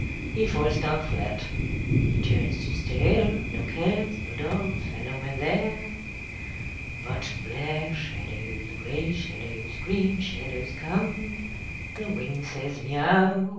He falls down flat. H)e turns to stare — No cats, no dogs, and no men there. But black shadows, grey shadows, green shadows come. The wind says, " Miau !